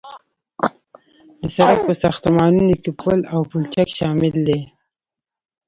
د سرک په ساختمانونو کې پل او پلچک شامل دي